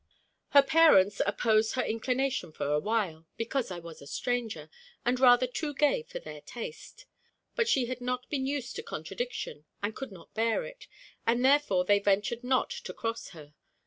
Her parents opposed her inclination for a while, because I was a stranger, and rather too gay for their taste. But she had not been used to contradiction, and could not bear it, and therefore they ventured not to cross her.